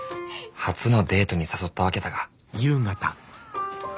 初のデートに誘ったわけだが。